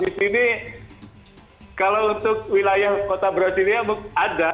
di sini kalau untuk wilayah kota brazil ya ada